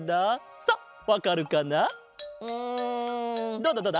どうだどうだ？